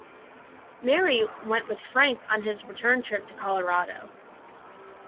Mary went with Frank on his return trip to Colorado.